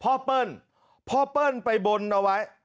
เปิ้ลพ่อเปิ้ลไปบนเอาไว้